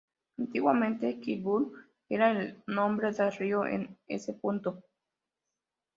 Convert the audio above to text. Antiguamente Kilburn era el nombre del río en ese punto.